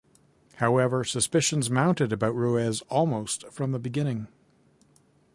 However, suspicions mounted about Ruiz almost from the beginning.